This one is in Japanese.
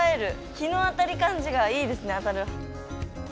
日の当たる感じがいいですね。